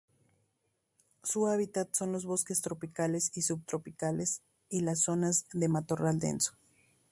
Su hábitat son los bosques tropicales y subtropicales y las zonas de matorral denso.